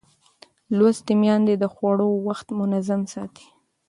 لوستې میندې د خوړو وخت منظم ساتي.